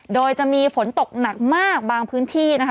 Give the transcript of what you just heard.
โดยจะมีฝนตกหนักมากบางพื้นที่นะคะ